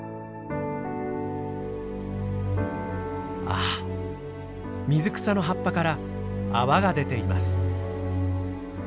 あっ水草の葉っぱから泡が出ています。